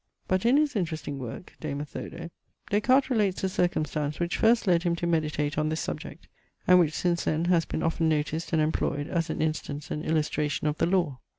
But, in his interesting work, De Methodo, Des Cartes relates the circumstance which first led him to meditate on this subject, and which since then has been often noticed and employed as an instance and illustration of the law.